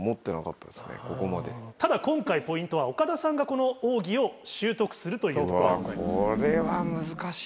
ただ今回ポイントは岡田さんがこの奥義を習得するというところでございます。